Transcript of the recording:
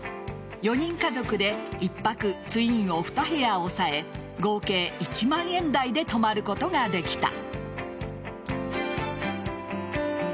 ４人家族で一泊ツインを２部屋押さえ合計１万円台で泊まることができた。